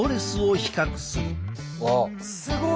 すごい！